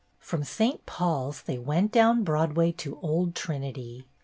" From St. Paul's they went down Broadway to Old Trinity.